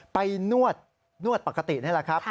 นวดปกตินี่แหละครับ